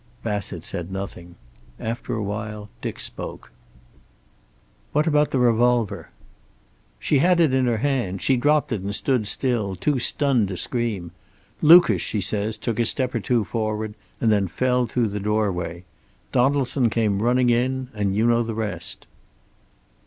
Bassett said nothing. After a silence Dick spoke: "What about the revolver?" "She had it in her hand. She dropped it and stood still, too stunned to scream. Lucas, she says, took a step or two forward, and fell through the doorway. Donaldson came running in, and you know the rest."